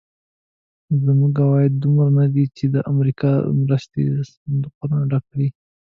زموږ عواید دومره ندي چې د امریکایي مرستې صندوقچه ډکه کړي.